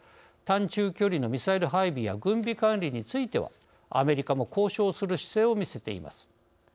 短中距離のミサイル配備や軍備管理についてはアメリカも交渉する姿勢を見せています。